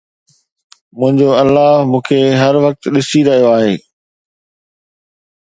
منهنجو الله مون کي هر وقت ڏسي رهيو آهي.